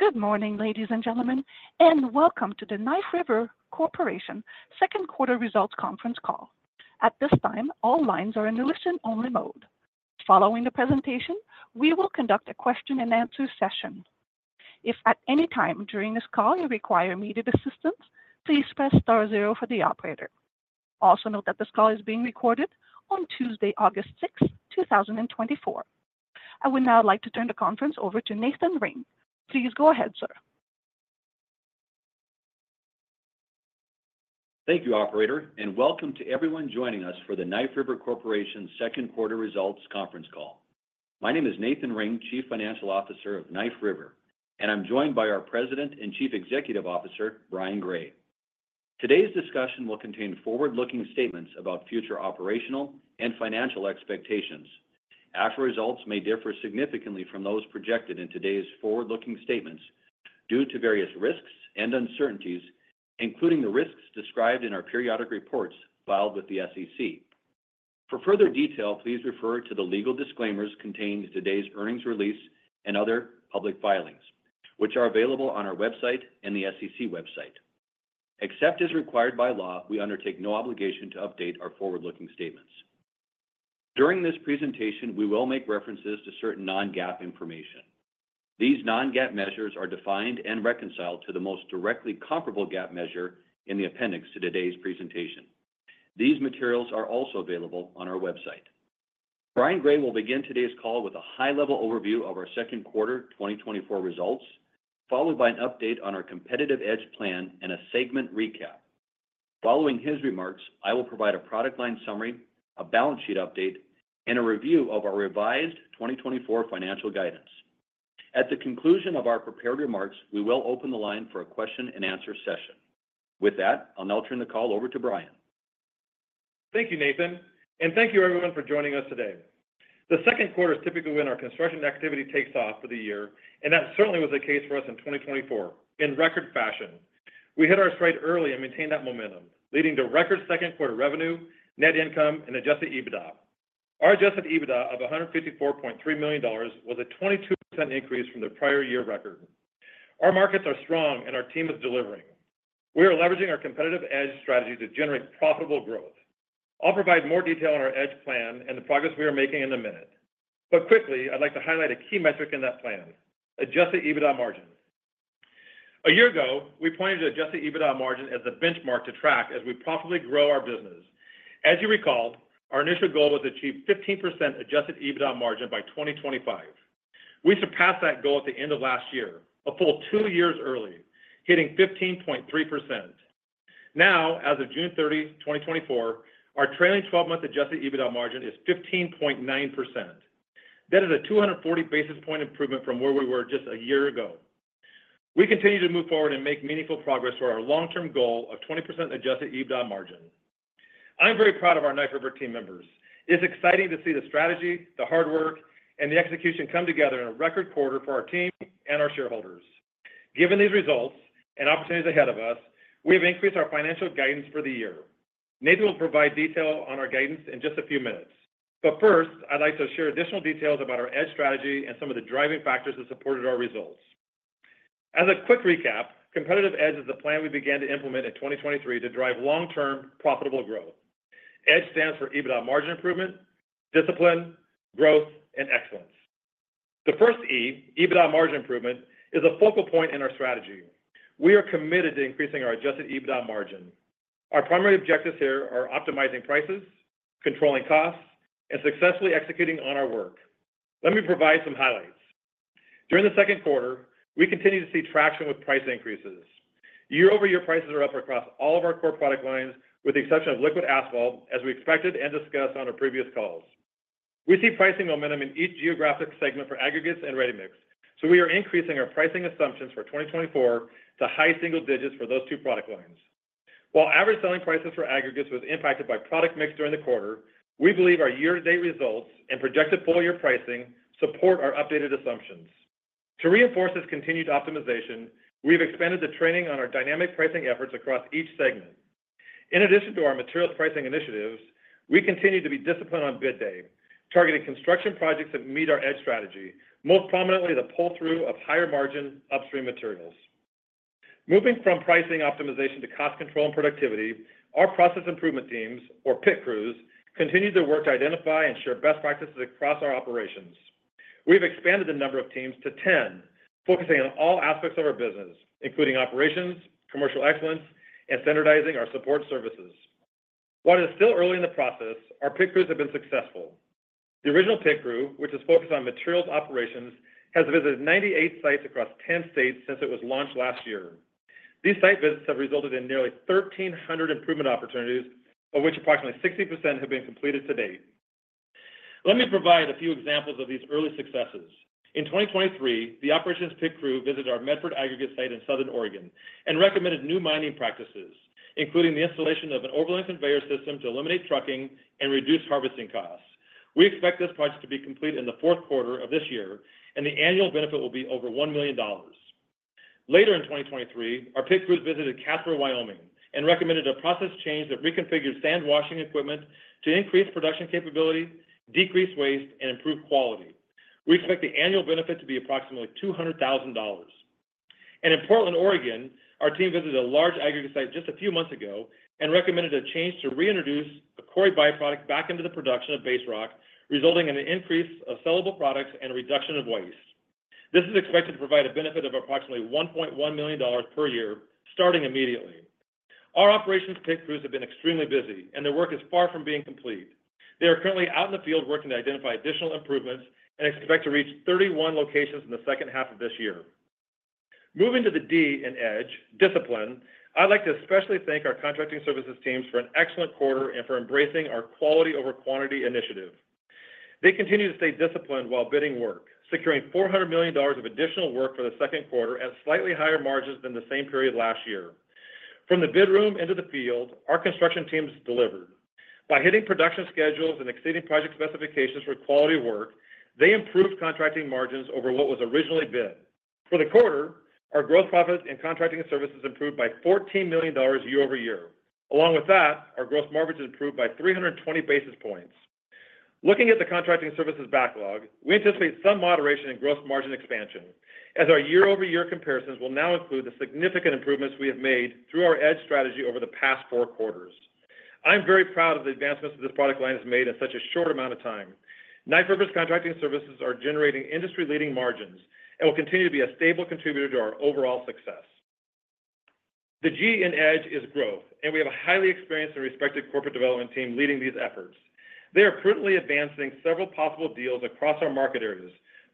Good morning, ladies and gentlemen, and welcome to the Knife River Corporation Q2 Results Conference Call. At this time, all lines are in listen-only mode. Following the presentation, we will conduct a Q&A session. If at any time during this call you require immediate assistance, please press star zero for the operator. Also note that this call is being recorded on Tuesday, August 16th 2024. I would now like to turn the conference over to Nathan Ring. Please go ahead, sir. Thank you, operator, and welcome to everyone joining us for the Knife River Corporation Q2 Results Conference Call. My name is Nathan Ring, Chief Financial Officer of Knife River, and I'm joined by our President and Chief Executive Officer, Brian Gray. Today's discussion will contain forward-looking statements about future operational and financial expectations. Actual results may differ significantly from those projected in today's forward-looking statements due to various risks and uncertainties, including the risks described in our periodic reports filed with the SEC. For further detail, please refer to the legal disclaimers contained in today's earnings release and other public filings, which are available on our website and the SEC website. Except as required by law, we undertake no obligation to update our forward-looking statements. During this presentation, we will make references to certain non-GAAP information. These non-GAAP measures are defined and reconciled to the most directly comparable GAAP measure in the appendix to today's presentation. These materials are also available on our website. Brian Gray will begin today's call with a high-level overview of our Q2 2024 results, followed by an update on our competitive EDGE plan and a segment recap. Following his remarks, I will provide a product line summary, a balance sheet update, and a review of our revised 2024 financial guidance. At the conclusion of our prepared remarks, we will open the line for a Q&A. With that, I'll now turn the call over to Brian. Thank you, Nathan, and thank you, everyone, for joining us today. The Q2 is typically when our construction activity takes off for the year, and that certainly was the case for us in 2024. In record fashion, we hit our stride early and maintained that momentum, leading to record Q2 revenue, net income, and adjusted EBITDA. Our adjusted EBITDA of $154.3 million was a 22% increase from the prior year record. Our markets are strong and our team is delivering. We are leveraging our competitive EDGE strategy to generate profitable growth. I'll provide more detail on our EDGE plan and the progress we are making in a minute. But quickly, I'd like to highlight a key metric in that plan: adjusted EBITDA margin. A year ago, we pointed to adjusted EBITDA margin as the benchmark to track as we profitably grow our business. As you recall, our initial goal was to achieve 15% adjusted EBITDA margin by 2025. We surpassed that goal at the end of last year, a full two years early, hitting 15.3%. Now, as of June 30, 2024, our trailing twelve-month adjusted EBITDA margin is 15.9%. That is a 240 basis point improvement from where we were just a year ago. We continue to move forward and make meaningful progress to our long-term goal of 20% adjusted EBITDA margin. I'm very proud of our Knife River team members. It's exciting to see the strategy, the hard work, and the execution come together in a record quarter for our team and our shareholders. Given these results and opportunities ahead of us, we have increased our financial guidance for the year. Nathan will provide detail on our guidance in just a few minutes. But first, I'd like to share additional details about our EDGE strategy and some of the driving factors that supported our results. As a quick recap, Competitive EDGE is the plan we began to implement in 2023 to drive long-term profitable growth. EDGE stands for EBITDA margin improvement, discipline, growth, and excellence. The first E, EBITDA margin improvement, is a focal point in our strategy. We are committed to increasing our adjusted EBITDA margin. Our primary objectives here are optimizing prices, controlling costs, and successfully executing on our work. Let me provide some highlights. During the Q2, we continued to see traction with price increases. Year-over-year prices are up across all of our core product lines, with the exception of liquid asphalt, as we expected and discussed on our previous calls. We see pricing momentum in each geographic segment for aggregates and ready-mix, so we are increasing our pricing assumptions for 2024 to high single digits for those two product lines. While average selling prices for aggregates was impacted by product mix during the quarter, we believe our year-to-date results and projected full-year pricing support our updated assumptions. To reinforce this continued optimization, we've expanded the training on our dynamic pricing efforts across each segment. In addition to our materials pricing initiatives, we continue to be disciplined on bid day, targeting construction projects that meet our EDGE strategy, most prominently, the pull-through of higher-margin upstream materials. Moving from pricing optimization to cost control and productivity, our process improvement teams, or PIT crews, continue their work to identify and share best practices across our operations. We've expanded the number of teams to 10, focusing on all aspects of our business, including operations, commercial excellence, and standardizing our support services. While it is still early in the process, our PIT crews have been successful. The original PIT crew, which is focused on materials operations, has visited 98 sites across 10 states since it was launched last year. These site visits have resulted in nearly 1,300 improvement opportunities, of which approximately 60% have been completed to date. Let me provide a few examples of these early successes. In 2023, the operations PIT crew visited our Medford aggregate site in Southern Oregon and recommended new mining practices, including the installation of an overland conveyor system to eliminate trucking and reduce harvesting costs. We expect this project to be complete in the Q4 of this year, and the annual benefit will be over $1 million. Later in 2023, our PIT crews visited Casper, Wyoming, and recommended a process change that reconfigured sand washing equipment to increase production capability, decrease waste, and improve quality. We expect the annual benefit to be approximately $200,000. In Portland, Oregon, our team visited a large aggregate site just a few months ago and recommended a change to reintroduce a quarry byproduct back into the production of base rock, resulting in an increase of sellable products and a reduction of waste. This is expected to provide a benefit of approximately $1.1 million per year, starting immediately. Our operations PIT crews have been extremely busy, and their work is far from being complete. They are currently out in the field working to identify additional improvements and expect to reach 31 locations in the H2 of this year. Moving to the D in EDGE, Discipline, I'd like to especially thank our contracting services teams for an excellent quarter and for embracing our quality over quantity initiative. They continue to stay disciplined while bidding work, securing $400 million of additional work for the Q2 at slightly higher margins than the same period last year. From the bid room into the field, our construction teams delivered. By hitting production schedules and exceeding project specifications for quality work, they improved contracting margins over what was originally bid. For the quarter, our gross profit in contracting services improved by $14 million year-over-year. Along with that, our gross margins improved by 320 basis points. Looking at the contracting services backlog, we anticipate some moderation in gross margin expansion, as our year-over-year comparisons will now include the significant improvements we have made through our EDGE strategy over the past 4 quarters. I'm very proud of the advancements that this product line has made in such a short amount of time. Knife River's contracting services are generating industry-leading margins and will continue to be a stable contributor to our overall success. The G in EDGE is Growth, and we have a highly experienced and respected corporate development team leading these efforts. They are currently advancing several possible deals across our market areas,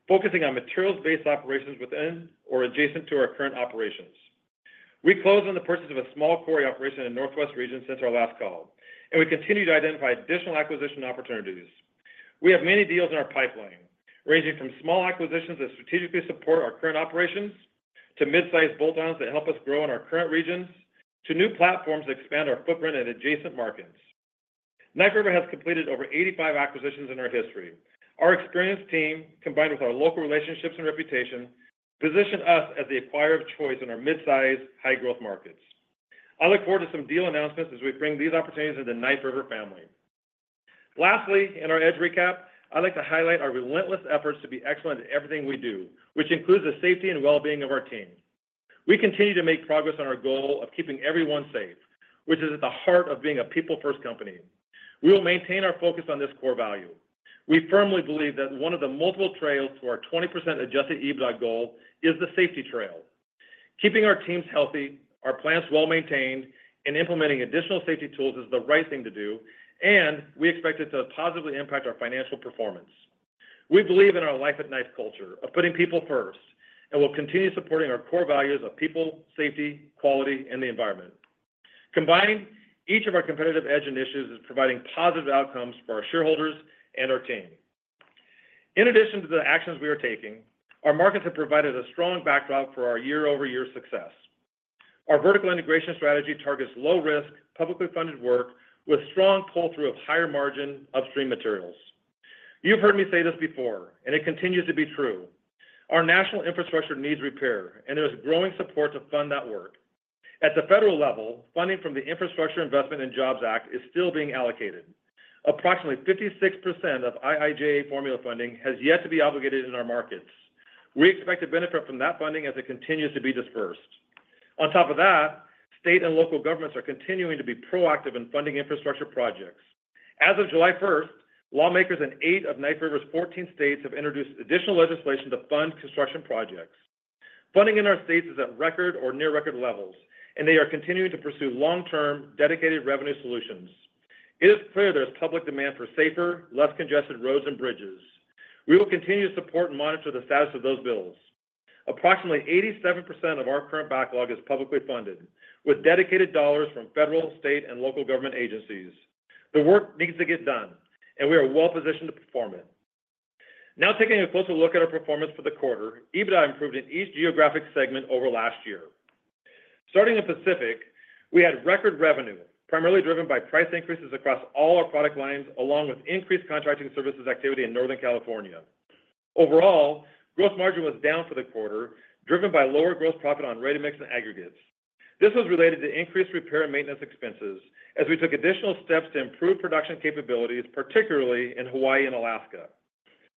focusing on materials-based operations within or adjacent to our current operations. We closed on the purchase of a small quarry operation in the Northwest region since our last call, and we continue to identify additional acquisition opportunities. We have many deals in our pipeline, ranging from small acquisitions that strategically support our current operations, to mid-sized bolt-ons that help us grow in our current regions, to new platforms that expand our footprint in adjacent markets. Knife River has completed over 85 acquisitions in our history. Our experienced team, combined with our local relationships and reputation, position us as the acquirer of choice in our mid-sized, high-growth markets. I look forward to some deal announcements as we bring these opportunities into the Knife River family. Lastly, in our EDGE recap, I'd like to highlight our relentless efforts to be excellent at everything we do, which includes the safety and well-being of our team. We continue to make progress on our goal of keeping everyone safe, which is at the heart of being a people-first company. We will maintain our focus on this core value. We firmly believe that one of the multiple trails to our 20% Adjusted EBITDA goal is the safety trail. Keeping our teams healthy, our plants well-maintained, and implementing additional safety tools is the right thing to do, and we expect it to positively impact our financial performance. We believe in our Life at Knife culture of putting people first, and we'll continue supporting our core values of people, safety, quality, and the environment. Combining each of our Competitive EDGE initiatives is providing positive outcomes for our shareholders and our team. In addition to the actions we are taking, our markets have provided a strong backdrop for our year-over-year success. Our vertical integration strategy targets low risk, publicly funded work with strong pull-through of higher margin upstream materials. You've heard me say this before, and it continues to be true: Our national infrastructure needs repair, and there is growing support to fund that work. At the federal level, funding from the Infrastructure Investment and Jobs Act is still being allocated. Approximately 56% of IIJA formula funding has yet to be obligated in our markets. We expect to benefit from that funding as it continues to be dispersed. On top of that, state and local governments are continuing to be proactive in funding infrastructure projects. As of July first, lawmakers in eight of Knife River's 14 states have introduced additional legislation to fund construction projects. Funding in our states is at record or near record levels, and they are continuing to pursue long-term, dedicated revenue solutions. It is clear there is public demand for safer, less congested roads and bridges. We will continue to support and monitor the status of those bills. Approximately 87% of our current backlog is publicly funded, with dedicated dollars from federal, state, and local government agencies. The work needs to get done, and we are well positioned to perform it. Now, taking a closer look at our performance for the quarter, EBITDA improved in each geographic segment over last year. Starting in Pacific, we had record revenue, primarily driven by price increases across all our product lines, along with increased contracting services activity in Northern California. Overall, gross margin was down for the quarter, driven by lower gross profit on ready-mix and aggregates. This was related to increased repair and maintenance expenses as we took additional steps to improve production capabilities, particularly in Hawaii and Alaska.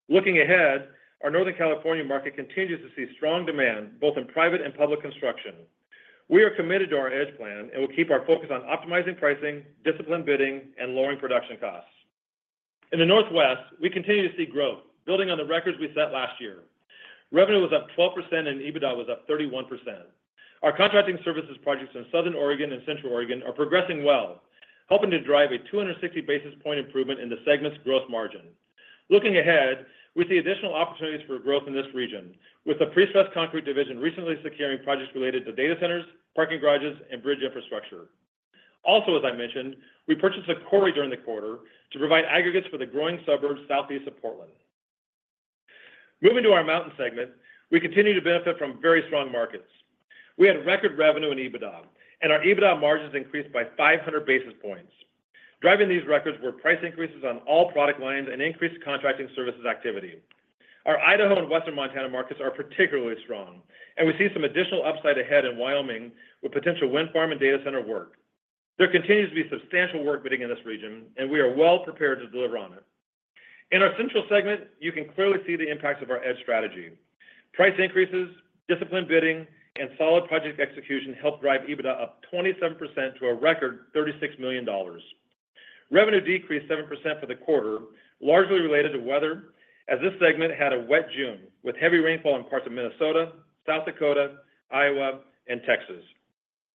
Looking ahead, our Northern California market continues to see strong demand, both in private and public construction. We are committed to our EDGE plan and will keep our focus on optimizing pricing, disciplined bidding, and lowering production costs. In the Northwest, we continue to see growth, building on the records we set last year. Revenue was up 12% and EBITDA was up 31%. Our contracting services projects in Southern Oregon and Central Oregon are progressing well, helping to drive a 260 basis point improvement in the segment's gross margin. Looking ahead, we see additional opportunities for growth in this region, with the prestress concrete division recently securing projects related to data centers, parking garages, and bridge infrastructure. Also, as I mentioned, we purchased a quarry during the quarter to provide aggregates for the growing suburbs southeast of Portland. Moving to our Mountain segment, we continue to benefit from very strong markets. We had record revenue in EBITDA, and our EBITDA margins increased by 500 basis points. Driving these records were price increases on all product lines and increased contracting services activity. Our Idaho and Western Montana markets are particularly strong, and we see some additional upside ahead in Wyoming, with potential wind farm and data center work. There continues to be substantial work bidding in this region, and we are well prepared to deliver on it. In our Central segment, you can clearly see the impacts of our EDGE strategy. Price increases, disciplined bidding, and solid project execution helped drive EBITDA up 27% to a record $36 million. Revenue decreased 7% for the quarter, largely related to weather, as this segment had a wet June, with heavy rainfall in parts of Minnesota, South Dakota, Iowa, and Texas.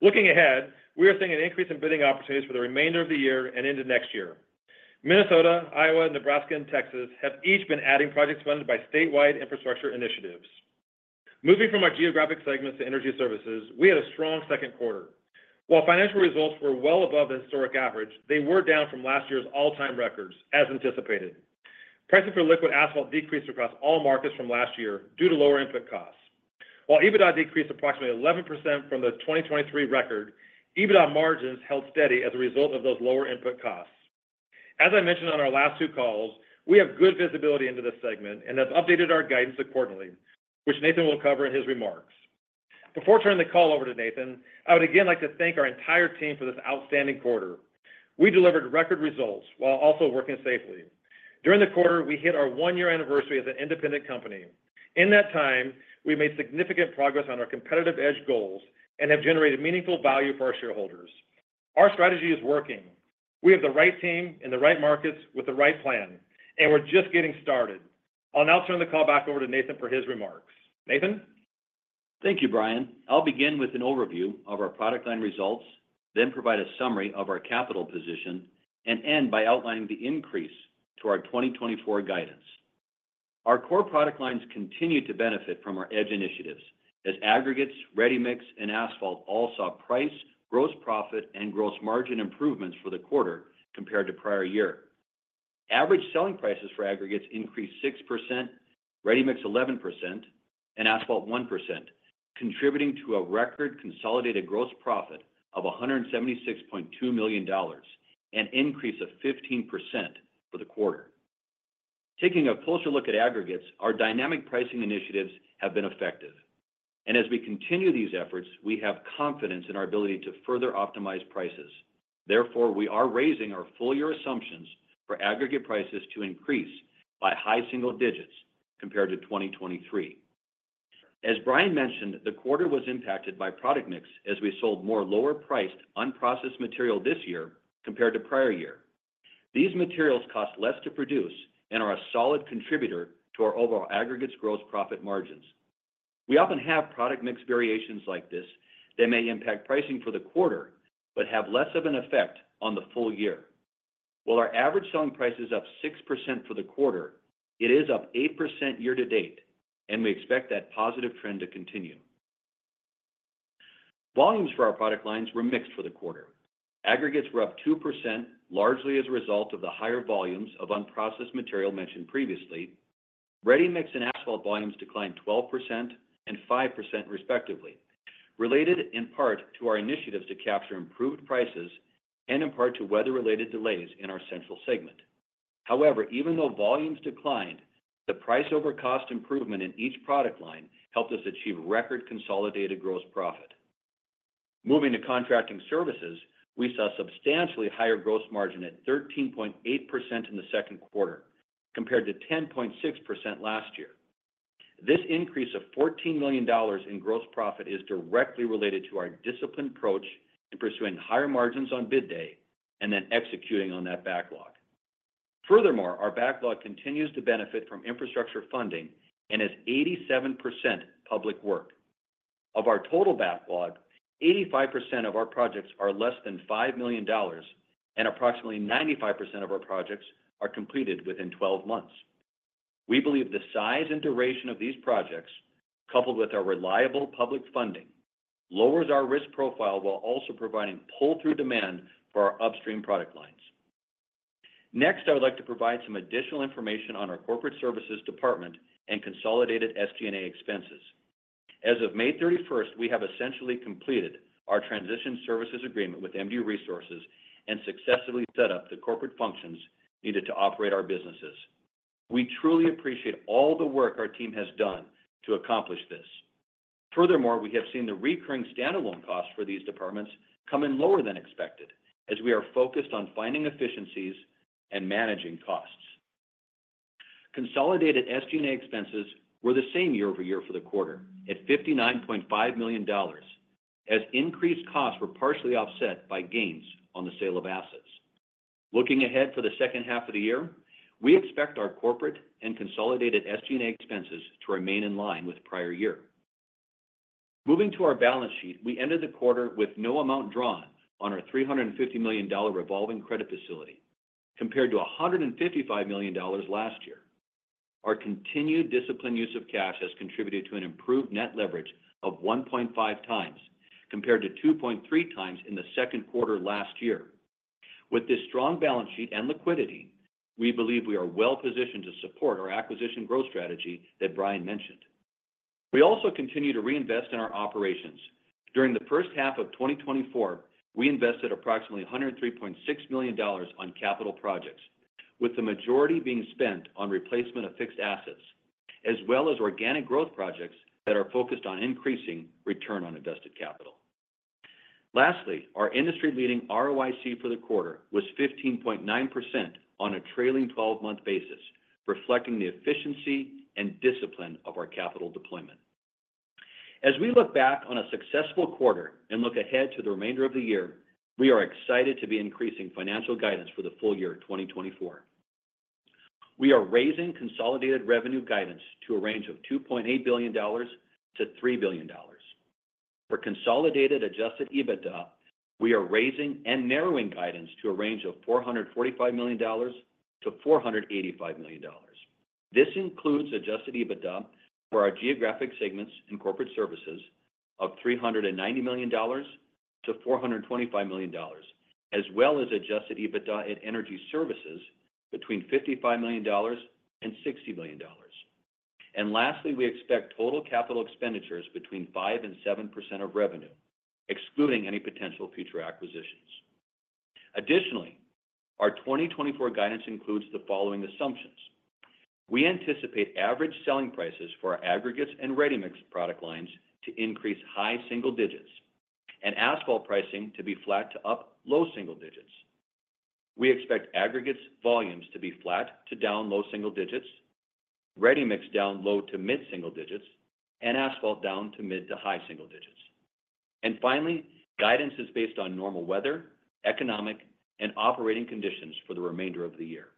Looking ahead, we are seeing an increase in bidding opportunities for the remainder of the year and into next year. Minnesota, Iowa, Nebraska, and Texas have each been adding projects funded by statewide infrastructure initiatives. Moving from our geographic segments to Energy Services, we had a strong Q2. While financial results were well above the historic average, they were down from last year's all-time records, as anticipated. Prices for liquid asphalt decreased across all markets from last year due to lower input costs. While EBITDA decreased approximately 11% from the 2023 record, EBITDA margins held steady as a result of those lower input costs. As I mentioned on our last two calls, we have good visibility into this segment and have updated our guidance accordingly, which Nathan will cover in his remarks. Before turning the call over to Nathan, I would again like to thank our entire team for this outstanding quarter. We delivered record results while also working safely. During the quarter, we hit our one-year anniversary as an independent company. In that time, we've made significant progress on our Competitive EDGE goals and have generated meaningful value for our shareholders. Our strategy is working. We have the right team in the right markets with the right plan, and we're just getting started. I'll now turn the call back over to Nathan for his remarks. Nathan? Thank you, Brian. I'll begin with an overview of our product line results, then provide a summary of our capital position, and end by outlining the increase to our 2024 guidance. Our core product lines continue to benefit from our EDGE initiatives, as aggregates, ready-mix, and asphalt all saw price, gross profit, and gross margin improvements for the quarter compared to prior year. Average selling prices for aggregates increased 6%, ready-mix 11%, and asphalt 1%, contributing to a record consolidated gross profit of $176.2 million, an increase of 15% for the quarter. Taking a closer look at aggregates, our dynamic pricing initiatives have been effective, and as we continue these efforts, we have confidence in our ability to further optimize prices. Therefore, we are raising our full year assumptions for aggregate prices to increase by high single digits compared to 2023. As Brian mentioned, the quarter was impacted by product mix as we sold more lower-priced, unprocessed material this year compared to prior year. These materials cost less to produce and are a solid contributor to our overall aggregates gross profit margins. We often have product mix variations like this that may impact pricing for the quarter but have less of an effect on the full year. While our average selling price is up 6% for the quarter, it is up 8% year to date, and we expect that positive trend to continue. Volumes for our product lines were mixed for the quarter. Aggregates were up 2%, largely as a result of the higher volumes of unprocessed material mentioned previously. Ready-mix and asphalt volumes declined 12% and 5%, respectively, related in part to our initiatives to capture improved prices and in part to weather-related delays in our Central segment. However, even though volumes declined, the price over cost improvement in each product line helped us achieve record consolidated gross profit. Moving to contracting services, we saw substantially higher gross margin at 13.8% in the Q2, compared to 10.6% last year. This increase of $14 million in gross profit is directly related to our disciplined approach in pursuing higher margins on bid day and then executing on that backlog. Furthermore, our backlog continues to benefit from infrastructure funding and is 87% public work. Of our total backlog, 85% of our projects are less than $5 million, and approximately 95% of our projects are completed within 12 months. We believe the size and duration of these projects, coupled with our reliable public funding, lowers our risk profile while also providing pull-through demand for our upstream product lines. Next, I would like to provide some additional information on our corporate services department and consolidated SG&A expenses. As of May 31st, we have essentially completed our Transition Services Agreement with MDU Resources and successfully set up the corporate functions needed to operate our businesses. We truly appreciate all the work our team has done to accomplish this. Furthermore, we have seen the recurring standalone costs for these departments come in lower than expected, as we are focused on finding efficiencies and managing costs. Consolidated SG&A expenses were the same year-over-year for the quarter at $59.5 million, as increased costs were partially offset by gains on the sale of assets. Looking ahead for the H2 of the year, we expect our corporate and consolidated SG&A expenses to remain in line with prior year. Moving to our balance sheet, we ended the quarter with no amount drawn on our $350 million revolving credit facility, compared to $155 million last year. Our continued disciplined use of cash has contributed to an improved net leverage of 1.5 times, compared to 2.3 times in the Q2 last year. With this strong balance sheet and liquidity, we believe we are well positioned to support our acquisition growth strategy that Brian mentioned. We also continue to reinvest in our operations. During the H1 of 2024, we invested approximately $103.6 million on capital projects, with the majority being spent on replacement of fixed assets, as well as organic growth projects that are focused on increasing return on invested capital. Lastly, our industry-leading ROIC for the quarter was 15.9% on a trailing twelve-month basis, reflecting the efficiency and discipline of our capital deployment. As we look back on a successful quarter and look ahead to the remainder of the year, we are excited to be increasing financial guidance for the full year of 2024. We are raising consolidated revenue guidance to a range of $2.8 billion-$3 billion. For consolidated adjusted EBITDA, we are raising and narrowing guidance to a range of $445 million-$485 million. This includes Adjusted EBITDA for our geographic segments and corporate services of $390 million to $425 million, as well as Adjusted EBITDA at Energy Services between $55 million and $60 million. Lastly, we expect total capital expenditures between 5% and 7% of revenue, excluding any potential future acquisitions. Additionally, our 2024 guidance includes the following assumptions: We anticipate average selling prices for our aggregates and ready-mix product lines to increase high single digits, and asphalt pricing to be flat to up low single digits. We expect aggregates volumes to be flat to down low single digits, ready-mix down low to mid single digits, and asphalt down to mid to high single digits. Finally, guidance is based on normal weather, economic, and operating conditions for the remainder of the year.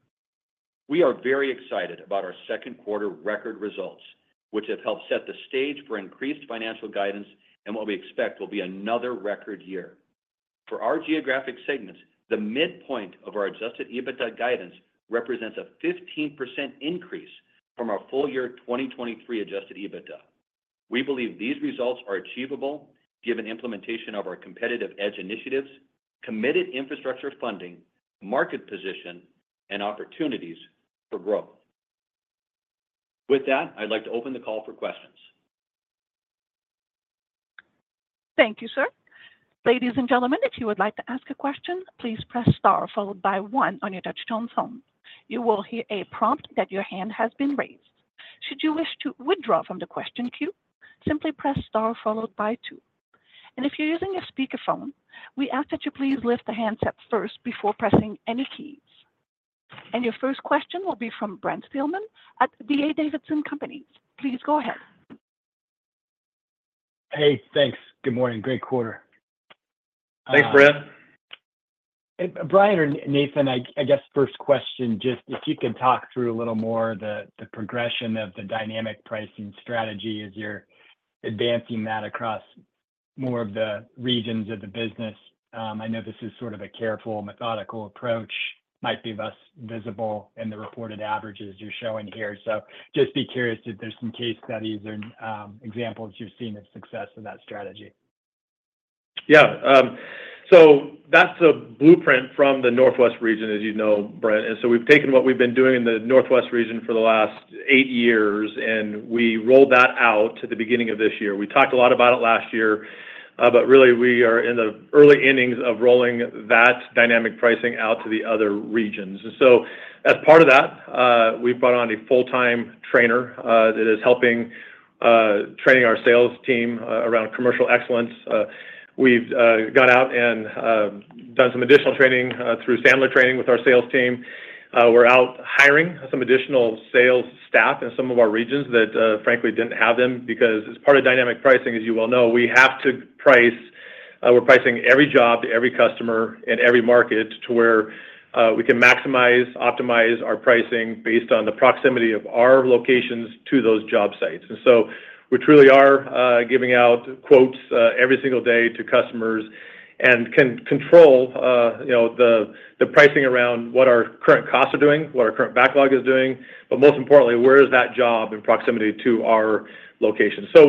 We are very excited about our Q2 record results, which have helped set the stage for increased financial guidance and what we expect will be another record year. For our geographic segments, the midpoint of our adjusted EBITDA guidance represents a 15% increase from our full year 2023 adjusted EBITDA. We believe these results are achievable given implementation of our Competitive EDGE initiatives, committed infrastructure funding, market position, and opportunities for growth. With that, I'd like to open the call for questions. Thank you, sir. Ladies and gentlemen, if you would like to ask a question, please press star followed by one on your touchtone phone. You will hear a prompt that your hand has been raised. Should you wish to withdraw from the question queue, simply press star followed by two. And if you're using a speakerphone, we ask that you please lift the handset first before pressing any keys. And your first question will be from Brent Thielman at D.A. Davidson & Co. Please go ahead. Hey, thanks. Good morning. Great quarter. Thanks, Brent. Brian or Nathan, I guess first question, just if you could talk through a little more the progression of the dynamic pricing strategy as you're advancing that across more of the regions of the business. I know this is a careful, methodical approach, might be less visible in the reported averages you're showing here. So just be curious if there's some case studies or examples you've seen of success in that strategy. That's a blueprint from the Northwest region, as you know, Brent. So we've taken what we've been doing in the Northwest region for the last eight years, and we rolled that out at the beginning of this year. We talked a lot about it last year, but really we are in the early innings of rolling that dynamic pricing out to the other regions. So as part of that, we brought on a full-time trainer that is helping training our sales team around commercial excellence. We've gone out and done some additional training through Sandler Training with our sales team. We're out hiring some additional sales staff in some of our regions that frankly didn't have them, because as part of dynamic pricing, as you well know, we have to price... We're pricing every job to every customer in every market to where we can maximize, optimize our pricing based on the proximity of our locations to those job sites. And so we truly are giving out quotes every single day to customers and can control the pricing around what our current costs are doing, what our current backlog is doing, but most importantly, where is that job in proximity to our location. So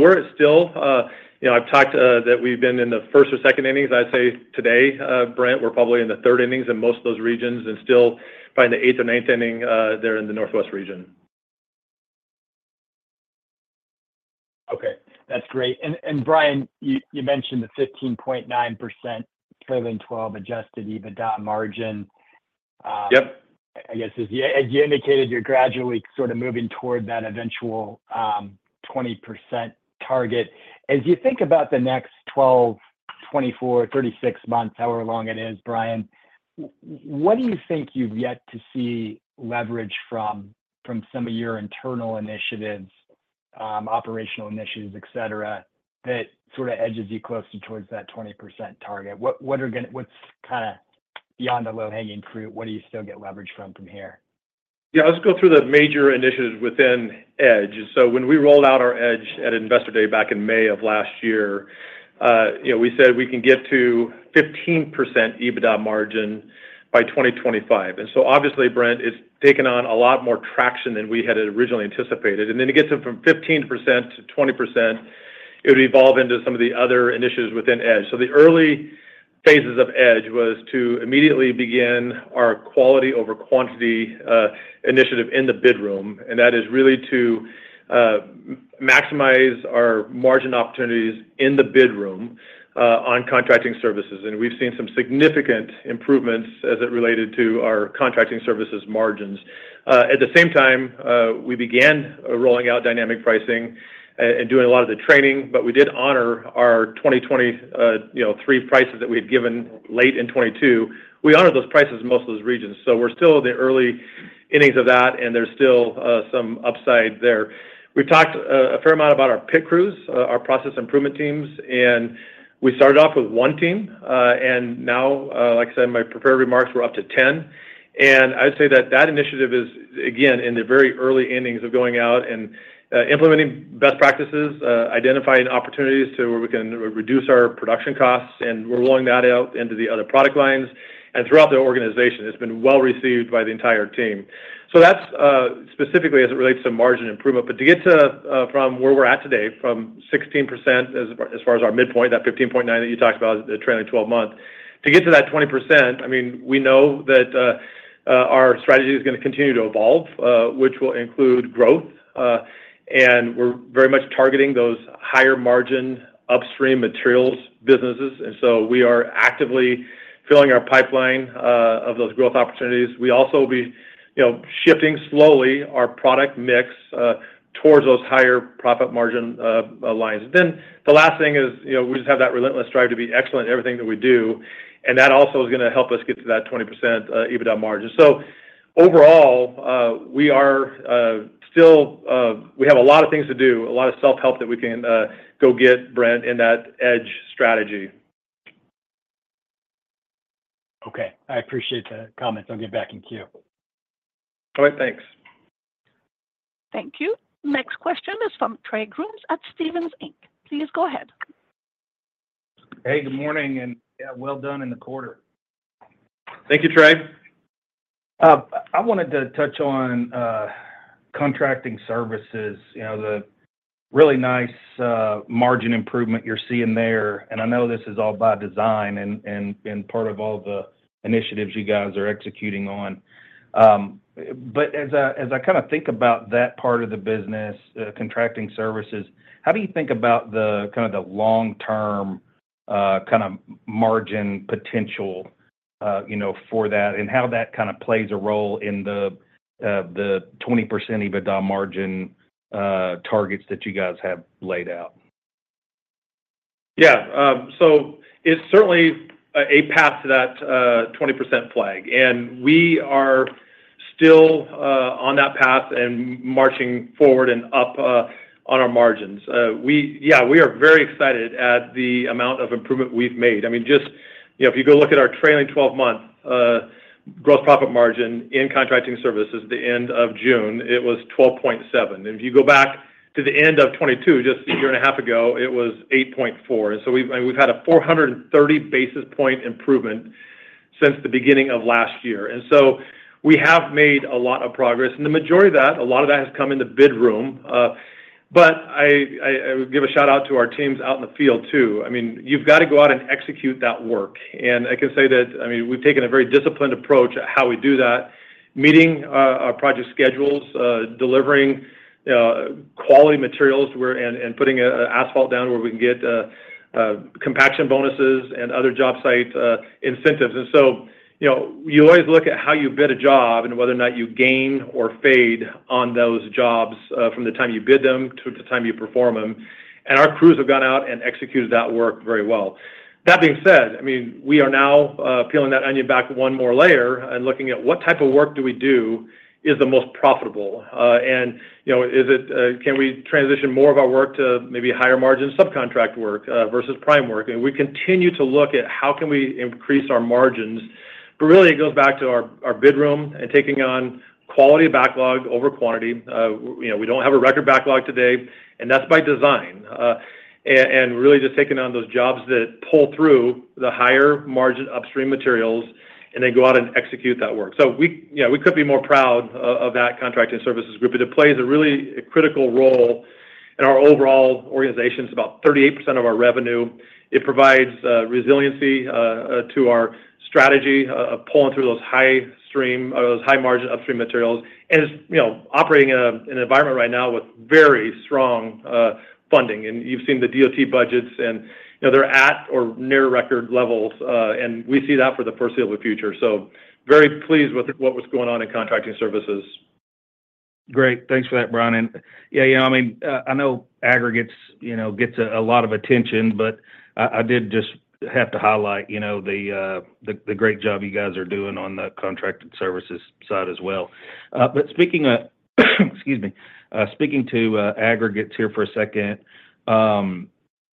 I've talked that we've been in the first or second innings. I'd say today, Brent, we're probably in the third innings in most of those regions and still probably in the eighth or ninth inning there in the Northwest region. Okay. That's great. Brian, you mentioned the 15.9% trailing twelve Adjusted EBITDA margin. Yep. As you indicated, you're gradually moving toward that eventual, 20% target. As you think about the next 12, 24, 36 months, however long it is, Brian, what do you think you've yet to see leverage from, from some of your internal initiatives, operational initiatives, et cetera, that edges you closer towards that 20% target? What, what are gonna- what's beyond the low-hanging fruit? What do you still get leverage from from here? Let's go through the major initiatives within EDGE. So when we rolled out our EDGE at Investor Day back in May of last year we said we can get to 15% EBITDA margin by 2025. And obviously, Brent, it's taken on a lot more traction than we had originally anticipated. And then to get them from 15% to 20%, it would evolve into some of the other initiatives within EDGE. So the early-... phases of EDGE was to immediately begin our quality over quantity initiative in the bid room, and that is really to maximize our margin opportunities in the bid room on contracting services. We've seen some significant improvements as it related to our contracting services margins. At the same time, we began rolling out dynamic pricing and doing a lot of the training, but we did honor our 2023 prices that we had given late in 2022. We honored those prices in most of those regions. So we're still in the early innings of that, and there's still some upside there. We've talked a fair amount about our PIT crews, our process improvement teams, and we started off with one team, and now, like I said, in my prepared remarks, we're up to 10. And I'd say that that initiative is, again, in the very early innings of going out and implementing best practices, identifying opportunities to where we can reduce our production costs, and we're rolling that out into the other product lines and throughout the organization. It's been well-received by the entire team. So that's specifically as it relates to margin improvement. But to get to from where we're at today, from 16%, as far as our midpoint, that 15.9 that you talked about, the trailing twelve month. To get to that 20%, I mean, we know that our strategy is gonna continue to evolve, which will include growth, and we're very much targeting those higher margin upstream materials businesses, and so we are actively filling our pipeline of those growth opportunities. We also be shifting slowly our product mix towards those higher profit margin lines. Then the last thing is we just have that relentless drive to be excellent in everything that we do, and that also is gonna help us get to that 20% EBITDA margin. So overall, we are still we have a lot of things to do, a lot of self-help that we can go get, Brent, in that EDGE strategy. Okay, I appreciate the comments. I'll get back in queue. All right, thanks. Thank you. Next question is from Trey Grooms at Stephens Inc. Please go ahead. Hey, good morning, and well done in the quarter. Thank you, Trey. I wanted to touch on, contracting services the really nice, margin improvement you're seeing there, and I know this is all by design and part of all the initiatives you guys are executing on. But as I kinda think about that part of the business, contracting services, how do you think about the kinda the long-term, kinda margin potential for that, and how that kinda plays a role in the, the 20% EBITDA margin, targets that you guys have laid out? It's certainly a path to that 20% flag, and we are still on that path and marching forward and up on our margins. We are very excited at the amount of improvement we've made. Just if you go look at our trailing twelve-month growth profit margin in contracting services, the end of June, it was 12.7. And if you go back to the end of 2022, just a year and a half ago, it was 8.4. So we've, and we've had a 430 basis point improvement since the beginning of last year. And so we have made a lot of progress, and the majority of that, a lot of that has come in the bid room, but I give a shout-out to our teams out in the field, too. I mean, you've got to go out and execute that work. And I can say that, I mean, we've taken a very disciplined approach at how we do that, meeting our project schedules, delivering quality materials and putting asphalt down where we can get compaction bonuses and other job site incentives. And you always look at how you bid a job and whether or not you gain or fade on those jobs, from the time you bid them to the time you perform them. And our crews have gone out and executed that work very well. That being said, I mean, we are now peeling that onion back one more layer and looking at what type of work do we do is the most profitable. And is it, can we transition more of our work to maybe higher margin subcontract work, versus prime work? And we continue to look at how can we increase our margins, but really, it goes back to our, our bid room and taking on quality backlog over quantity. We don't have a record backlog today, and that's by design. And really just taking on those jobs that pull through the higher margin upstream materials and then go out and execute that work. So we could be more proud of that contracting services group, but it plays a really critical role in our overall organization. It's about 38% of our revenue. It provides resiliency to our strategy of pulling through those high-margin upstream materials. And it's operating in an environment right now with very strong funding, and you've seen the DOT budgets, and they're at or near record levels, and we see that for the foreseeable future. So very pleased with what was going on in contracting services. Great. Thanks for that, Brian. And I know aggregates gets a lot of attention, but I did just have to highlight the great job you guys are doing on the contracted services side as well. But speaking of, excuse me, speaking to aggregates here for a second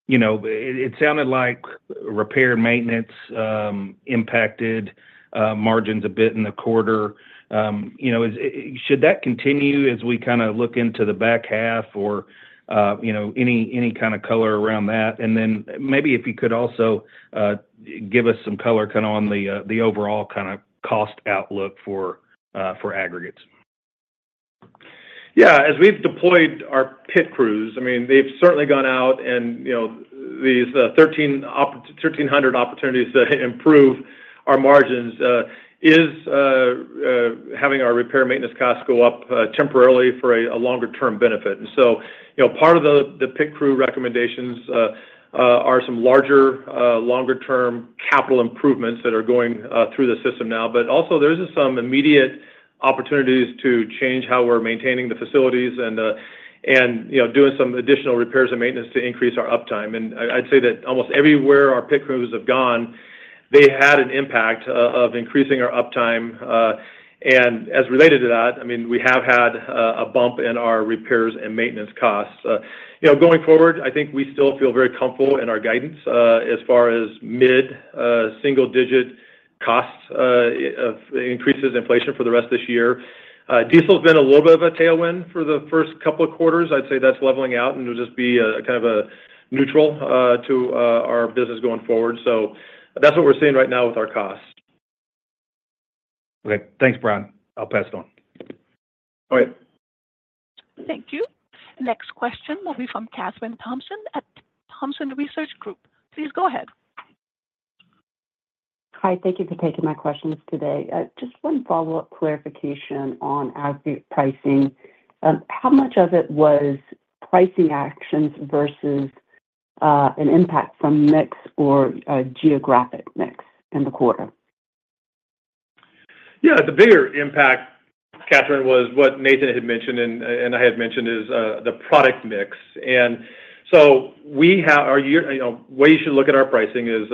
it sounded like repair and maintenance impacted margins a bit in the quarter. Should that continue as we kinda look into the back half or any kind of color around that? And then maybe if you could also give us some color kinda on the overall kinda cost outlook for aggregates. As we've deployed our PIT crews, I mean, they've certainly gone out and these 1,300 opportunities to improve our margins is having our repair maintenance costs go up temporarily for a longer term benefit. And so part of the PIT crew recommendations are some larger longer term capital improvements that are going through the system now. But also there is some immediate opportunities to change how we're maintaining the facilities and, and doing some additional repairs and maintenance to increase our uptime. And I, I'd say that almost everywhere our PIT crews have gone, they had an impact of increasing our uptime. And as related to that, I mean, we have had a bump in our repairs and maintenance costs. Going forward, I think we still feel very comfortable in our guidance, as far as mid single-digit cost increases inflation for the rest of this year. Diesel's been a little bit of a tailwind for the first couple of quarters. I'd say that's leveling out, and it'll just be a neutral to our business going forward. So that's what we're seeing right now with our costs. Okay, thanks, Brian. I'll pass it on. All right. Thank you. Next question will be from Kathryn Thompson at Thompson Research Group. Please go ahead. Hi, thank you for taking my questions today. Just one follow-up clarification on aggregate pricing. How much of it was pricing actions versus an impact from mix or geographic mix in the quarter? The bigger impact, Kathryn, was what Nathan had mentioned, and I had mentioned, is the product mix. And so we have our year to date. The way you should look at our pricing is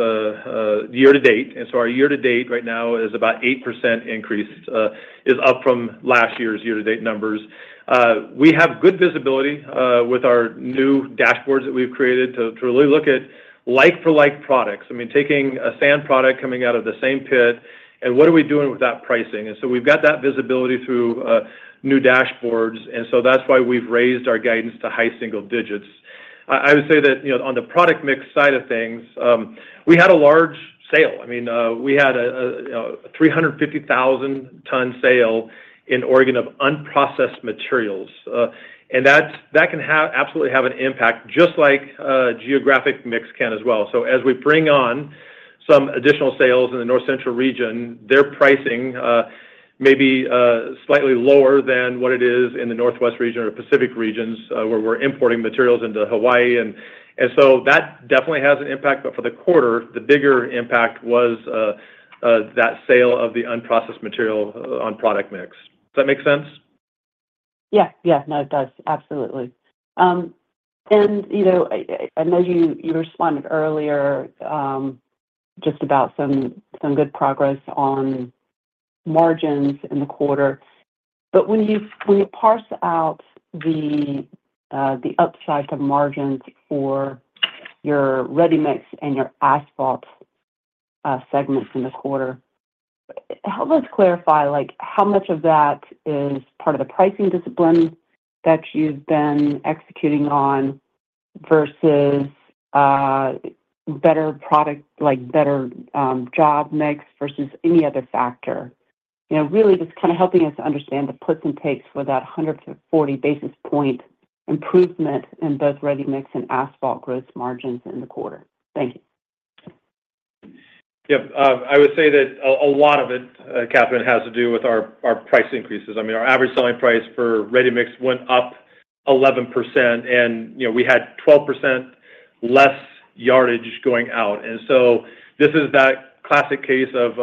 year to date, and so our year to date right now is about 8% increase, is up from last year's year-to-date numbers. We have good visibility with our new dashboards that we've created to really look at like-for-like products. I mean, taking a sand product coming out of the same pit, and what are we doing with that pricing? And so we've got that visibility through new dashboards, and so that's why we've raised our guidance to high single digits. I would say that on the product mix side of things, we had a large sale. We had a 350,000-ton sale in Oregon of unprocessed materials, and that's that can absolutely have an impact, just like, geographic mix can as well. So as we bring on some additional sales in the North Central region, their pricing may be slightly lower than what it is in the Northwest region or Pacific regions, where we're importing materials into Hawaii. And so that definitely has an impact, but for the quarter, the bigger impact was that sale of the unprocessed material on product mix. Does that make sense? No, it does. Absolutely. And I know you responded earlier, just about some good progress on margins in the quarter. But when you parse out the upside to margins for your ready-mix and your asphalt segments in the quarter, help us clarify, like, how much of that is part of the pricing discipline that you've been executing on, versus better product, like, better job mix, versus any other factor? Really just kinda helping us understand the puts and takes for that 140 basis point improvement in both ready-mix and asphalt gross margins in the quarter. Thank you. Yep. I would say that a lot of it, Kathryn, has to do with our price increases. I mean, our average selling price for ready-mix went up 11%, and we had 12% less yardage going out. And so this is that classic case of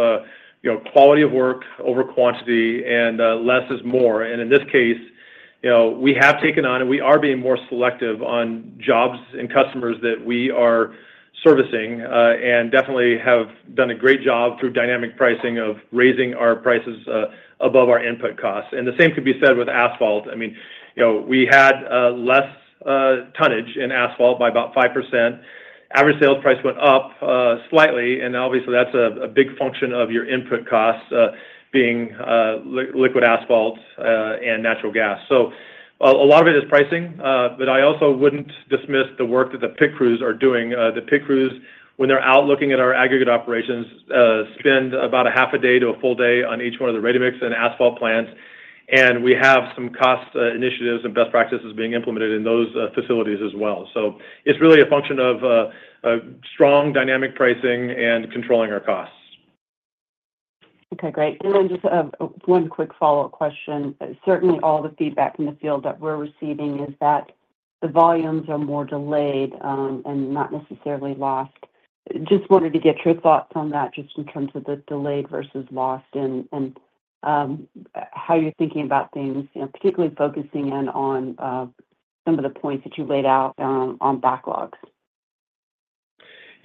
quality of work over quantity, and less is more. And in this case we have taken on, and we are being more selective on jobs and customers that we are servicing, and definitely have done a great job through dynamic pricing of raising our prices above our input costs. And the same could be said with asphalt. We had less tonnage in asphalt by about 5%. Average sales price went up slightly, and obviously, that's a big function of your input costs being liquid asphalt and natural gas. So a lot of it is pricing, but I also wouldn't dismiss the work that the PIT crews are doing. The PIT crews, when they're out looking at our aggregate operations, spend about a half a day to a full day on each one of the ready-mix and asphalt plants, and we have some cost initiatives and best practices being implemented in those facilities as well. So it's really a function of strong dynamic pricing and controlling our costs. Okay, great. And then just one quick follow-up question. Certainly, all the feedback in the field that we're receiving is that the volumes are more delayed and not necessarily lost. Just wanted to get your thoughts on that, just in terms of the delayed versus lost and how you're thinking about things particularly focusing in on some of the points that you laid out on backlogs.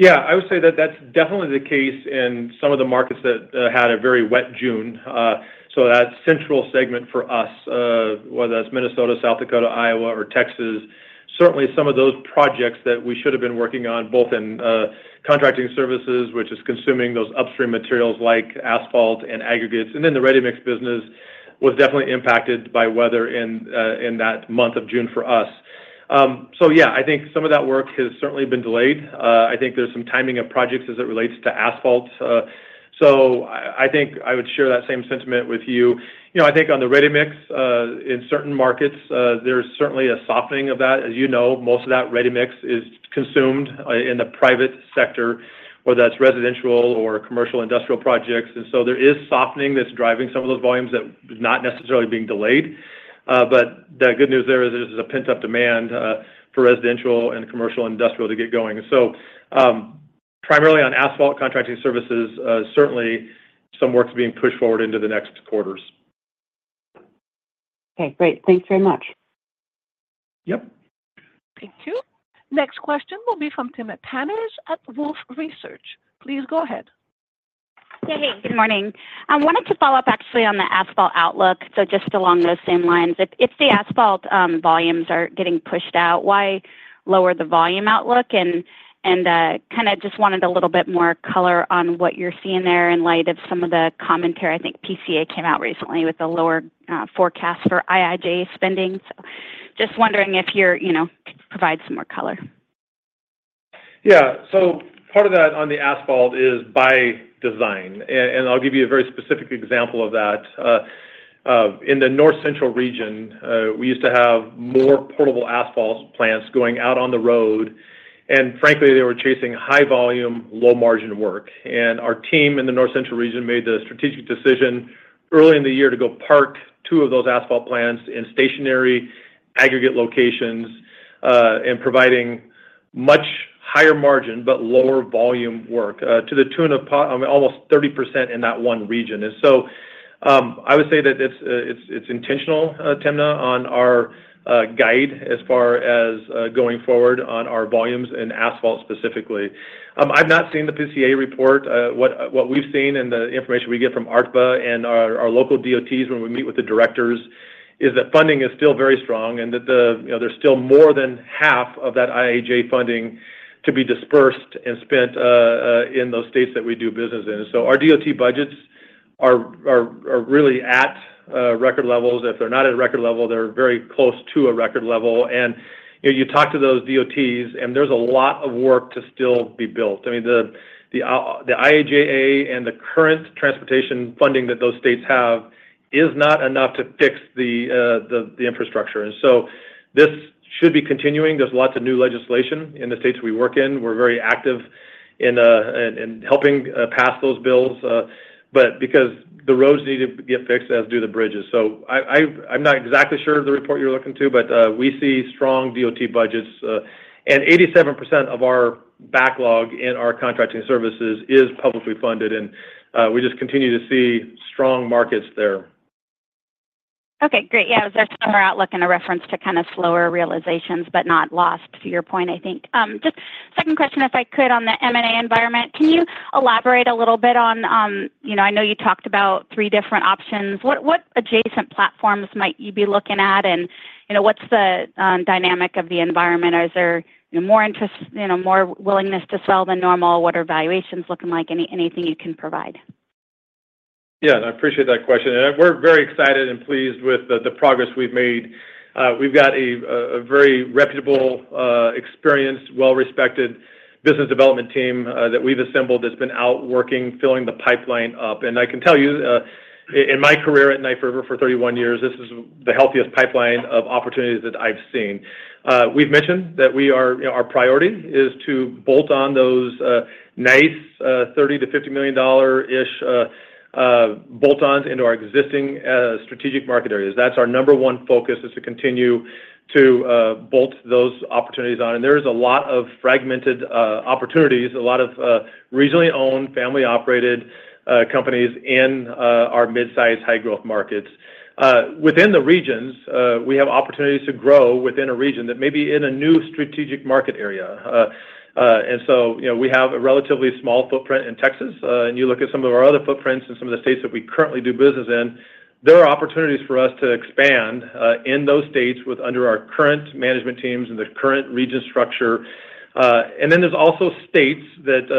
I would say that that's definitely the case in some of the markets that had a very wet June. So that Central segment for us, whether that's Minnesota, South Dakota, Iowa, or Texas, certainly some of those projects that we should have been working on, both in contracting services, which is consuming those upstream materials like asphalt and aggregates, and then the ready-mix business was definitely impacted by weather in that month of June for us. Some of that work has certainly been delayed. I think there's some timing of projects as it relates to asphalt. So I think I would share that same sentiment with you. On the ready-mix, in certain markets, there's certainly a softening of that. As most of that ready-mix is consumed in the private sector, whether that's residential or commercial industrial projects. And so there is softening that's driving some of those volumes that is not necessarily being delayed. But the good news there is, is a pent-up demand for residential and commercial industrial to get going. So, primarily on asphalt contracting services, certainly some work's being pushed forward into the next quarters. Okay, great. Thanks very much. Thank you. Next question will be from Timna Tanners at Wolfe Research. Please go ahead. Good morning. I wanted to follow up actually on the asphalt outlook, so just along those same lines. If the asphalt volumes are getting pushed out, why lower the volume outlook? Just wanted a little bit more color on what you're seeing there in light of some of the commentary. I think PCA came out recently with a lower forecast for IIJA spending. So just wondering if you provide some more color. Part of that on the asphalt is by design, and I'll give you a very specific example of that. In the North Central region, we used to have more portable asphalt plants going out on the road, and frankly, they were chasing high volume, low margin work. And our team in the North Central region made the strategic decision early in the year to go park two of those asphalt plants in stationary aggregate locations, and providing much higher margin, but lower volume work, to the tune of almost 30% in that one region. And so, I would say that it's intentional, Timna, on our guide as far as going forward on our volumes in asphalt specifically. I've not seen the PCA report. What we've seen and the information we get from ARTBA and our local DOTs when we meet with the directors is that funding is still very strong and that there's still more than half of that IIJA funding to be dispersed and spent in those states that we do business in. So our DOT budgets are really at record levels. If they're not at record level, they're very close to a record level. And you talk to those DOTs, and there's a lot of work to still be built. I mean, the IIJA and the current transportation funding that those states have is not enough to fix the infrastructure. And so this should be continuing. There's lots of new legislation in the states we work in. We're very active in helping pass those bills, but because the roads need to get fixed, as do the bridges. So I'm not exactly sure of the report you're looking to, but we see strong DOT budgets, and 87% of our backlog in our contracting services is publicly funded, and we just continue to see strong markets there. Great. Iit was our similar outlook and a reference to slower realizations, but not lost to your point, I think. Just second question, if I could, on the M&A environment. Can you elaborate a little bit on I know you talked about three different options. What adjacent platforms might you be looking at? And what's the dynamic of the environment? Or is there more interest more willingness to sell than normal? What are valuations looking like? Anything you can provide? I appreciate that question, and we're very excited and pleased with the progress we've made. We've got a very reputable, experienced, well-respected business development team that we've assembled, that's been out working, filling the pipeline up. And I can tell you, in my career at Knife River for 31 years, this is the healthiest pipeline of opportunities that I've seen. We've mentioned that our priority is to bolt on those nice $30-$50 million-ish bolt-ons into our existing strategic market areas. That's our number one focus, is to continue to bolt those opportunities on. And there is a lot of fragmented opportunities, a lot of regionally owned, family-operated companies in our mid-sized, high-growth markets. Within the regions, we have opportunities to grow within a region that may be in a new strategic market area. And so we have a relatively small footprint in Texas, and you look at some of our other footprints in some of the states that we currently do business in, there are opportunities for us to expand in those states with under our current management teams and the current region structure. And then there's also states that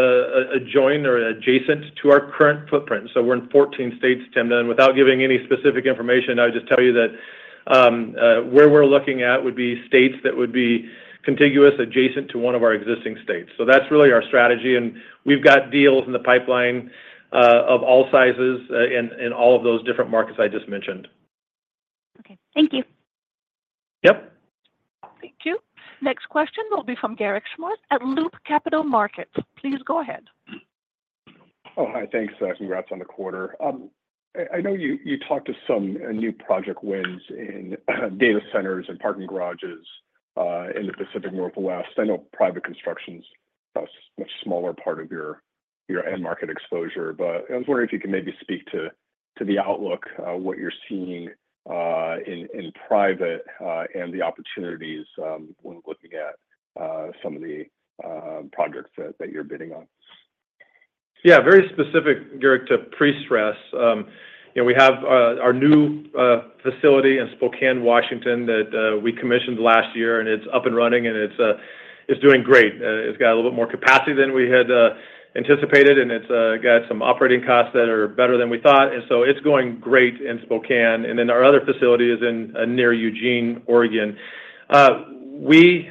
adjoin or adjacent to our current footprint. So we're in 14 states, Timna, and without giving any specific information, I would just tell you that where we're looking at would be states that would be contiguous, adjacent to one of our existing states. So that's really our strategy, and we've got deals in the pipeline of all sizes in all of those different markets I just mentioned. Okay. Thank you. Yep. Thank you. Next question will be from Garik Shmois at Loop Capital Markets. Please go ahead. Oh, hi. Thanks, congrats on the quarter. I know you talked to some new project wins in data centers and parking garages in the Pacific Northwest. I know private construction's a much smaller part of your end market exposure, but I was wondering if you could maybe speak to the outlook, what you're seeing in private and the opportunities when looking at some of the projects that you're bidding on. Very specific, Garik, to prestress. We have our new facility in Spokane, Washington, that we commissioned last year, and it's up and running, and it's doing great. It's got a little bit more capacity than we had anticipated, and it's got some operating costs that are better than we thought, and so it's going great in Spokane. And then our other facility is in near Eugene, Oregon. We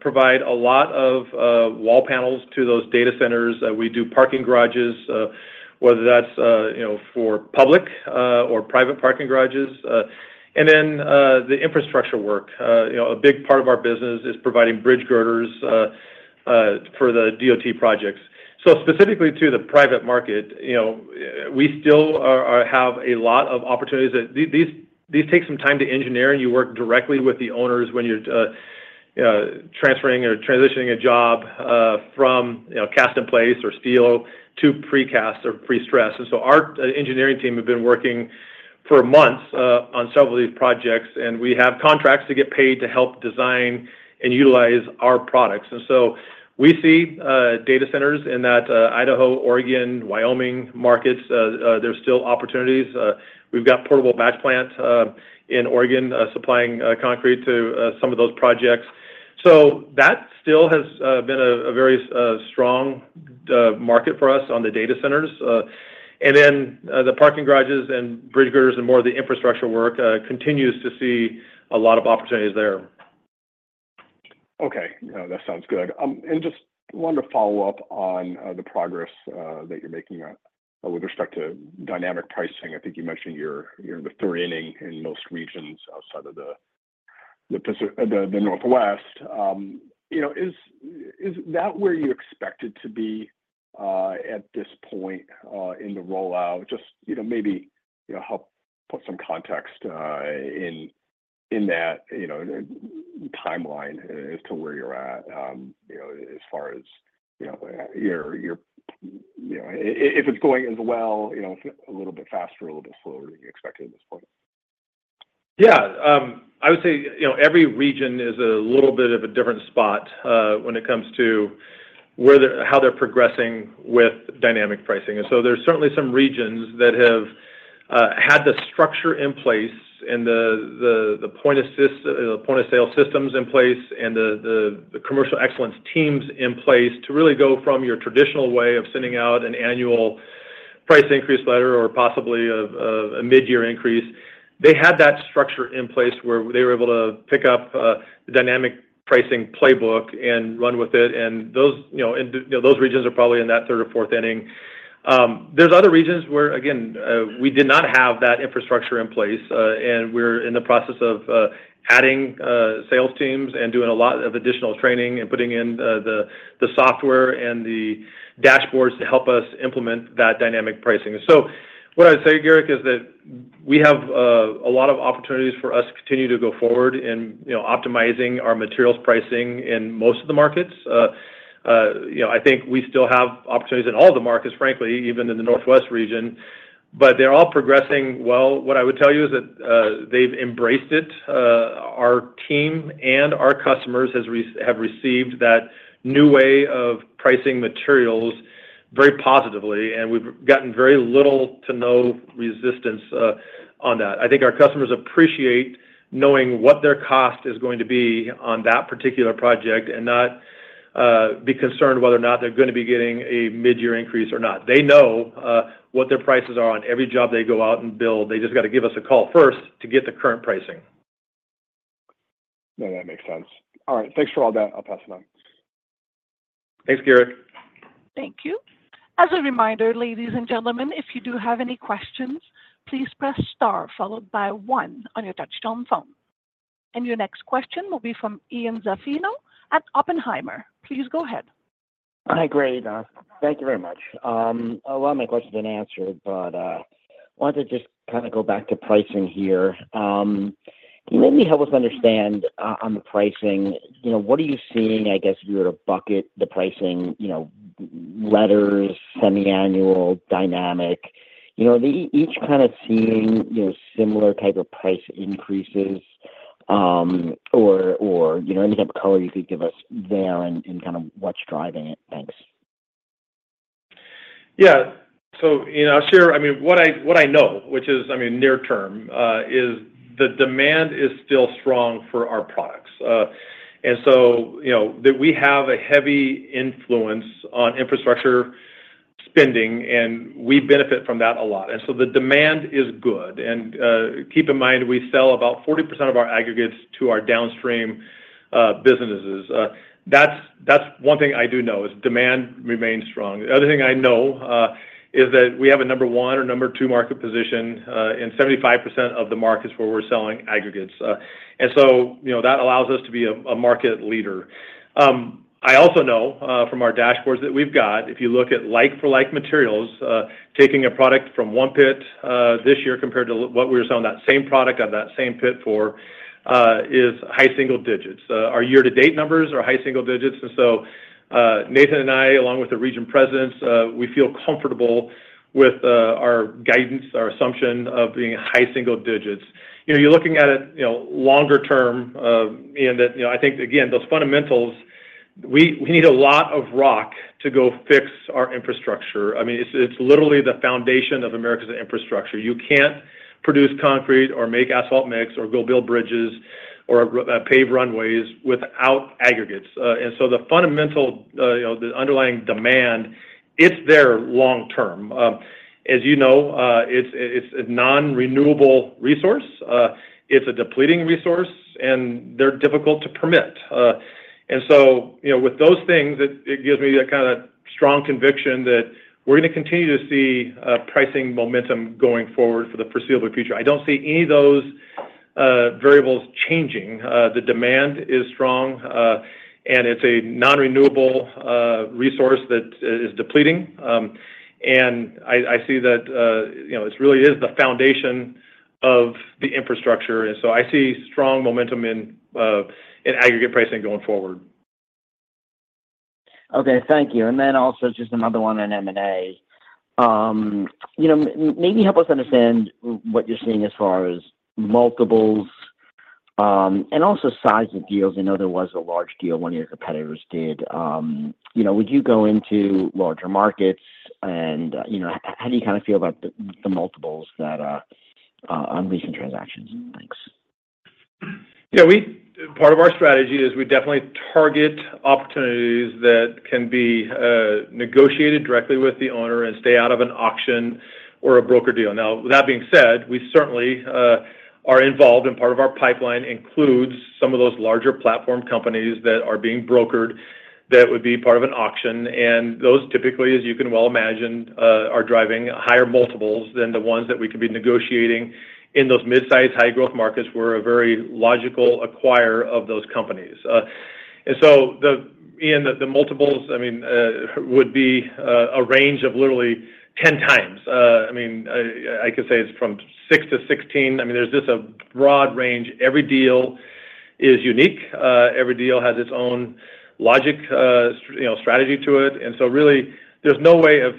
provide a lot of wall panels to those data centers. We do parking garages, whether that's for public or private parking garages. And then the infrastructure work. A big part of our business is providing bridge girders for the DOT projects. So specifically to the private market we still have a lot of opportunities that these take some time to engineer, and you work directly with the owners when you're transferring or transitioning a job from cast in place or steel to precast or prestress. And so our engineering team have been working for months on several of these projects, and we have contracts to get paid to help design and utilize our products. And so we see data centers in that Idaho, Oregon, Wyoming markets. There's still opportunities. We've got portable batch plant in Oregon supplying concrete to some of those projects. So that still has been a very strong market for us on the data centers. The parking garages and bridge girders and more of the infrastructure work continues to see a lot of opportunities there. Okay. That sounds good. Just wanted to follow up on the progress that you're making with respect to dynamic pricing. I think you mentioned you're in the third inning in most regions outside of the Pacific, the Northwest. Is that where you expected to be at this point in the rollout? Just maybe, help put some context in that timeline as to where you're at, as far as if it's going as well a little bit faster, a little bit slower than you expected at this point. I would say every region is a little bit of a different spot, when it comes to where they're how they're progressing with dynamic pricing. And so there's certainly some regions that have had the structure in place and the point-of-sale systems in place and the commercial excellence teams in place to really go from your traditional way of sending out an annual price increase letter or possibly a mid-year increase. They had that structure in place where they were able to pick up the dynamic pricing playbook and run with it, and those regions are probably in that third or fourth inning. There's other regions where, again, we did not have that infrastructure in place, and we're in the process of adding sales teams and doing a lot of additional training and putting in the software and the dashboards to help us implement that dynamic pricing. So what I'd say, Garik, is that we have a lot of opportunities for us to continue to go forward in optimizing our materials pricing in most of the markets. We still have opportunities in all the markets, frankly, even in the Northwest region, but they're all progressing well. What I would tell you is that they've embraced it. Our team and our customers have received that new way of pricing materials very positively, and we've gotten very little to no resistance on that. I think our customers appreciate knowing what their cost is going to be on that particular project and not be concerned whether or not they're gonna be getting a mid-year increase or not. They know what their prices are on every job they go out and build. They just got to give us a call first to get the current pricing. That makes sense. All right. Thanks for all that. I'll pass it on. Thanks, Garik. Thank you. As a reminder, ladies and gentlemen, if you do have any questions, please press star followed by one on your touchtone phone. And your next question will be from Ian Zaffino at Oppenheimer. Please go ahead. Hi, great. Thank you very much. A lot of my questions have been answered, but I wanted to just go back to pricing here. Can you maybe help us understand on the pricing what are you seeing, if you were to bucket the pricing letters, semiannual, dynamic? Are they each seeing similar type of price increases, or any type of color you could give us there and what's driving it? Thanks. I'll share what I know, which is near term, is the demand is still strong for our products. And so that we have a heavy influence on infrastructure spending, and we benefit from that a lot, and so the demand is good. And, keep in mind, we sell about 40% of our aggregates to our downstream businesses. That's one thing I do know is demand remains strong. The other thing I know is that we have a number one or number two market position in 75% of the markets where we're selling aggregates. And that allows us to be a market leader. I also know from our dashboards that we've got, if you look at like-for-like materials, taking a product from one pit, this year compared to what we were selling that same product at that same pit for, is high single digits. Our year-to-date numbers are high single digits, and so, Nathan and I, along with the region presidents, we feel comfortable with our guidance, our assumption of being high single digits. You're looking at it longer term, Ian that, I think, again, those fundamentals, we, we need a lot of rock to go fix our infrastructure. I mean, it's, it's literally the foundation of America's infrastructure. You can't produce concrete or make asphalt mix or go build bridges or paved runways without aggregates. And so the fundamental, the underlying demand, it's there long term. As it's a non-renewable resource, it's a depleting resource, and they're difficult to permit. And with those things, it, it gives me a kinda strong conviction that we're gonna continue to see, pricing momentum going forward for the foreseeable future. I don't see any of those, variables changing. The demand is strong, and it's a non-renewable, resource that is depleting. And I, I see that this really is the foundation of the infrastructure, and so I see strong momentum in, in aggregate pricing going forward. Okay, thank you. And then also just another one on M&A. Maybe help us understand what you're seeing as far as multiples, and also size of deals. I know there was a large deal one of your competitors did. Would you go into larger markets? And how do you kinda feel about the multiples that on recent transactions? Thanks. Part of our strategy is we definitely target opportunities that can be negotiated directly with the owner and stay out of an auction or a broker deal. Now, with that being said, we certainly are involved, and part of our pipeline includes some of those larger platform companies that are being brokered that would be part of an auction. And those typically, as you can well imagine, are driving higher multiples than the ones that we could be negotiating in those mid-sized, high-growth markets. We're a very logical acquirer of those companies. And so, Ian, the multiples, I mean, would be a range of literally 10x. I mean, I could say it's from 6x-16x. I mean, there's just a broad range. Every deal is unique. Every deal has its own logic, strategy to it, and so really, there's no way of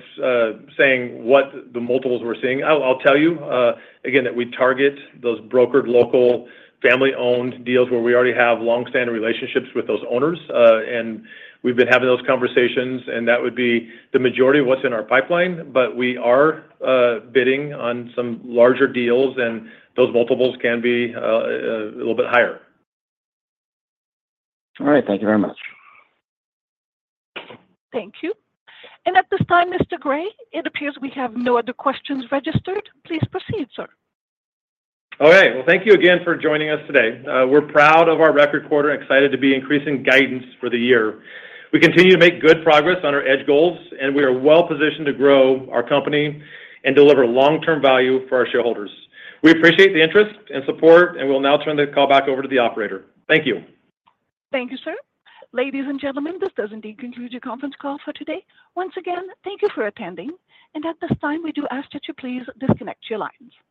saying what the multiples we're seeing. I'll tell you, again, that we target those brokered, local, family-owned deals where we already have long-standing relationships with those owners. And we've been having those conversations, and that would be the majority of what's in our pipeline, but we are bidding on some larger deals, and those multiples can be a little bit higher. All right. Thank you very much. Thank you. At this time, Mr. Gray, it appears we have no other questions registered. Please proceed, sir. Thank you again for joining us today. We're proud of our record quarter and excited to be increasing guidance for the year. We continue to make good progress on our edge goals, and we are well positioned to grow our company and deliver long-term value for our shareholders. We appreciate the interest and support, and we'll now turn the call back over to the operator. Thank you. Thank you, sir. Ladies and gentlemen, this does indeed conclude your conference call for today. Once again, thank you for attending, and at this time, we do ask that you please disconnect your lines.